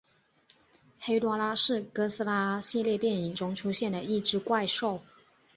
黑多拉是哥斯拉系列电影中出现的一只怪兽。